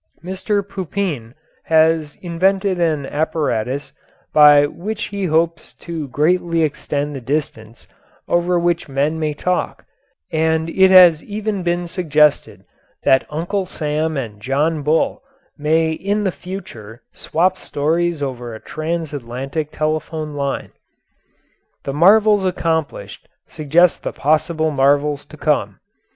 Mr. Pupin has invented an apparatus by which he hopes to greatly extend the distance over which men may talk, and it has even been suggested that Uncle Sam and John Bull may in the future swap stories over a transatlantic telephone line. The marvels accomplished suggest the possible marvels to come.